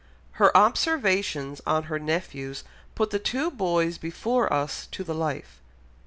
Her observations on her nephews put the two boys before us to the life.